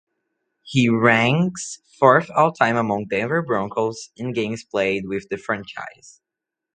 He ranks fourth all-time among Denver Broncos in games played with the franchise.